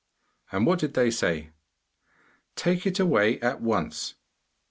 'And what did they say?' 'Take it away at once!